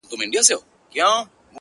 چي د ملا خبري پټي ساتي ـ